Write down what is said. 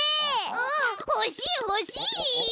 うんほしいほしい！